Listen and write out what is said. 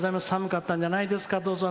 寒かったんじゃないですか。